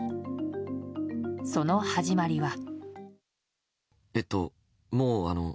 その始まりは。